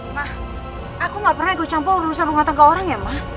nah aku gak pernah ikut campur urusan rumah tangga orang ya mah